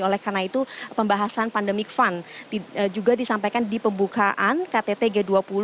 oleh karena itu pembahasan pandemic fund juga disampaikan di pembukaan ktt g dua puluh